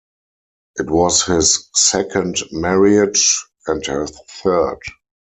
It was his second marriage, and her third.